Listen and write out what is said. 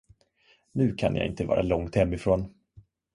Nu kan jag inte vara långt hemifrån.